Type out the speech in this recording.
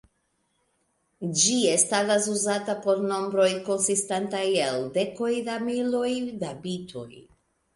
Ĝi estadas uzata por nombroj konsistantaj el dekoj da miloj da bitoj.